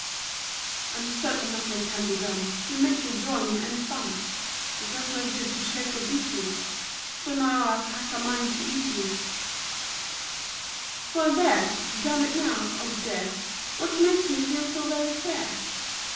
5. I'm certain nothing can be done To make you join in any fun; It does no good to shake or beat you, So now I've half a mind to eat you. 6. Well, there! you're done for now! Oh dear! What makes me feel so very queer?